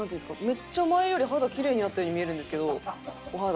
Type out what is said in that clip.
めっちゃ前より肌きれいになったように見えるんですけどお肌。